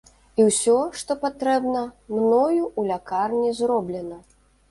І ўсё, што патрэбна, мною ў лякарні зроблена.